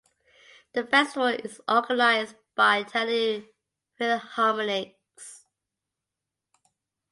The festival is organised by Tallinn Philharmonics.